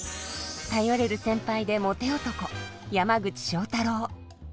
頼れる先輩でモテ男山口正太郎。